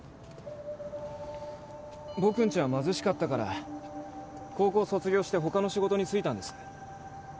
僕んちは貧しかったから高校卒業して他の仕事に就いたんです。